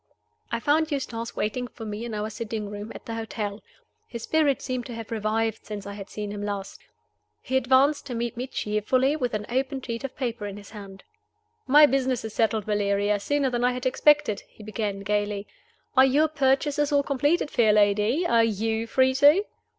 I found Eustace waiting for me in our sitting room at the hotel. His spirits seemed to have revived since I had seen him last. He advanced to meet me cheerfully, with an open sheet of paper in his hand. "My business is settled, Valeria, sooner than I had expected," he began, gayly. "Are your purchases all completed, fair lady? Are you free too?"